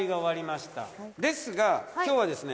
ですが今日はですね。